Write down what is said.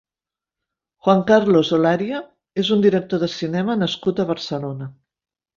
Juan Carlos Olaria és un director de cinema nascut a Barcelona.